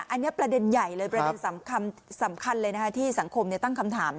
อันนี้ประเด็นใหญ่เลยประเด็นสำคัญเลยนะคะที่สังคมตั้งคำถาม